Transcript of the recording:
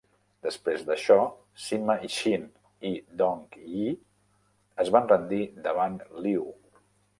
Després d'això, Sima Xin i Dong Yi es van rendir davant Liu.